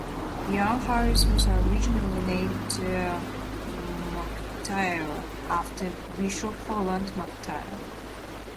Young Harris was originally named "McTyeire", after Bishop Holland McTyeire.